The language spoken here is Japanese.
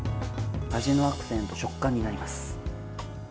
味のアクセント、食感になります。